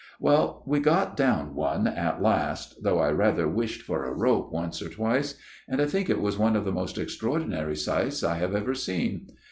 " Well, we got down one at last ; though I rather wished for a rope once or twice ; and I think it was one of the most extraordinary sights I have ever seen.